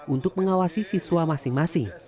untuk mengawasi siswa masing masing